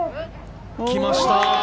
来ました。